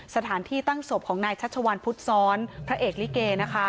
สถานที่ตั้งศพของนายชัชวัลพุทธซ้อนพระเอกลิเกนะคะ